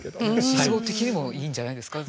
思想的にもいいんじゃないですか。